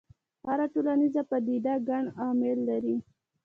هره ټولنیزه پدیده ګڼ عوامل لري.